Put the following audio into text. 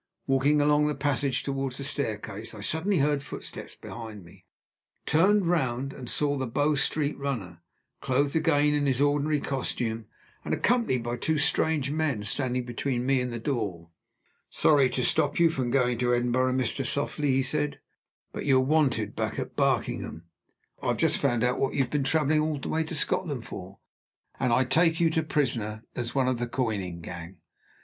Walking along the passage toward the staircase, I suddenly heard footsteps behind me turned round, and saw the Bow Street runner (clothed again in his ordinary costume, and accompanied by two strange men) standing between me and the door. "Sorry to stop you from going to Edinburgh, Mr. Softly," he said. "But you're wanted back at Barkingham. I've just found out what you have been traveling all the way to Scotland for; and I take you prisoner, as one of the coining gang.